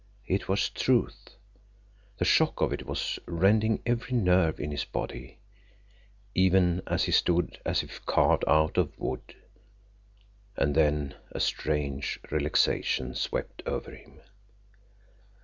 It was truth. The shock of it was rending every nerve in his body, even as he stood as if carved out of wood. And then a strange relaxation swept over him.